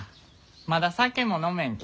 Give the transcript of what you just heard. まだ酒も飲めんき。